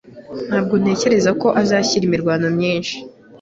Ntabwo ntekereza ko azashyira imirwano myinshi.